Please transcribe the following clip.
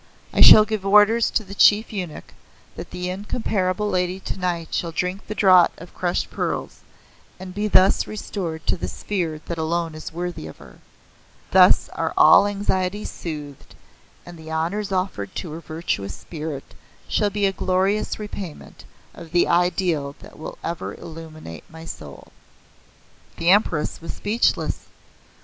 I shall give orders to the Chief Eunuch that the Incomparable Lady tonight shall drink the Draught of Crushed Pearls, and be thus restored to the sphere that alone is worthy of her. Thus are all anxieties soothed, and the honours offered to her virtuous spirit shall be a glorious repayment of the ideal that will ever illuminate my soul." The Empress was speechless.